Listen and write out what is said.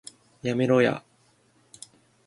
やめろや